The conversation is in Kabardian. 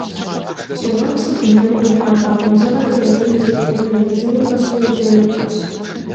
Щӏыуэпсыр хъумэным ехьэлӀа лэжьыгъэхэр езым и деж дэтхэнэ зыми къыщыщӀидзэжыпхъэщ.